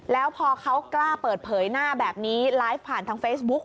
แล้วพอเขากล้าเปิดเผยหน้าแบบนี้ไลฟ์ผ่านทางเฟซบุ๊ค